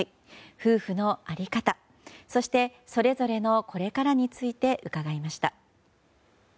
夫婦の在り方そして、それぞれのこれからについて伺いました。